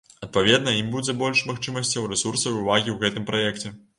Адпаведна, ім будзе больш магчымасцяў, рэсурсаў і ўвагі ў гэтым праекце.